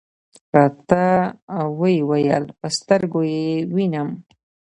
راته وې ویل: په سترګو یې وینم .